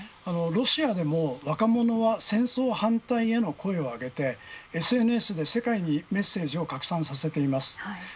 ロシアでも若者は戦争反対への声をあげてＳＮＳで世界にメッセージを拡散させています。